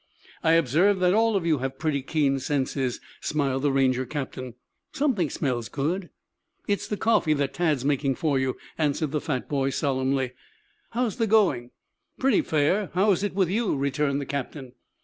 "I observe that all of you have pretty keen senses," smiled the Ranger captain. "Something smells good." "It's the coffee that Tad's making for you," answered the fat boy solemnly. "How's the going?" "Pretty fair. How is it with you?" returned the captain.